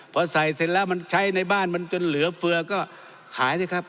พอใส่เสร็จแล้วมันใช้ในบ้านมันจนเหลือเฟือก็ขายสิครับ